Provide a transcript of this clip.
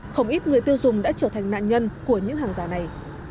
không ít người tiêu dùng đã trở thành nạn nhân của những hàng giả này